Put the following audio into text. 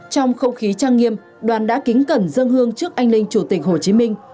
trong không khí trang nghiêm đoàn đã kính cẩn dân hương trước anh linh chủ tịch hồ chí minh